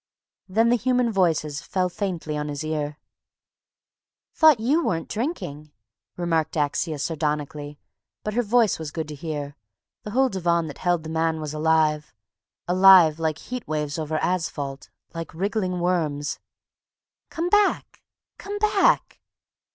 Then the human voices fell faintly on his ear: "Thought you weren't drinking," remarked Axia sardonically, but her voice was good to hear; the whole divan that held the man was alive; alive like heat waves over asphalt, like wriggling worms.... "Come back! Come back!"